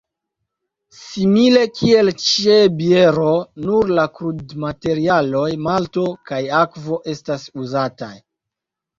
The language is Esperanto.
Simile kiel ĉe biero nur la krudmaterialoj malto kaj akvo estas uzataj.